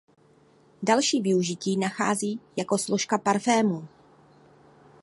Další využití nachází jako složka parfémů.